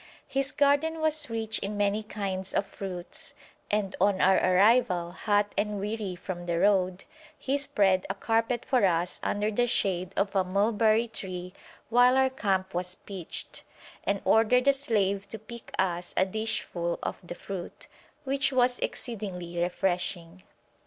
His garden was rich in many kinds of fruits, and on our arrival, hot and weary from the road, he spread a carpet for us under the shade of a mulberry tree while our camp was pitched, and ordered a slave to pick us a dishful of the fruit, which was exceedingly refreshing.